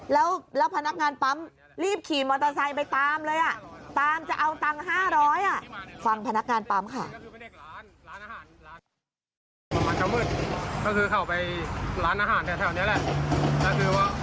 แล้วพนักงานปั๊มรีบขี่มอเตอร์ไซต์ไปตามเลย